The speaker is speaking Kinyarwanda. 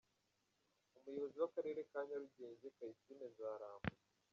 Umuyobozi w’ akarere ka Nyarugenge Kayisime Nzaramba.